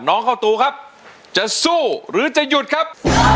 เข้าตูครับจะสู้หรือจะหยุดครับ